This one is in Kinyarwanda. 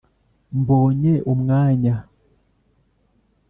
mbonye umwanya